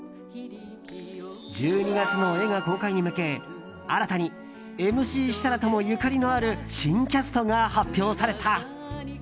１２月の映画公開に向け新たにＭＣ設楽ともゆかりのある新キャストが発表された。